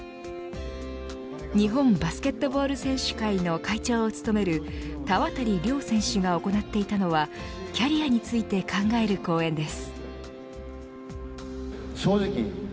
日本バスケットボール選手会の会長を務める田渡凌選手が行っていたのはキャリアについて考える講演です。